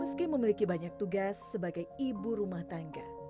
meski memiliki banyak tugas sebagai ibu rumah tangga